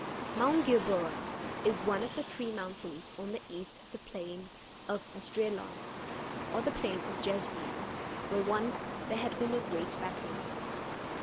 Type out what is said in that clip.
Mount Gilboa is one of the three mountains on the east of the plain of Esdraelon, or the plain of Jezreel, where once there had been a great battle.